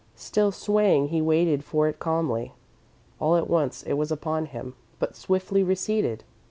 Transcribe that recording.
Still swaying, he waited for it calmly. All at once it was upon him, but swiftly receded.